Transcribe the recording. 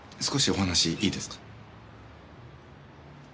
少しお話いいですか？